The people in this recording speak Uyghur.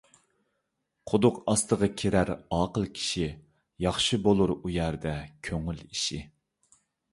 قۇدۇق ئاستىغا كىرەر ئاقىل كىشى، ياخشى بولۇر ئۇ يەردە كۆڭۈل ئىشى.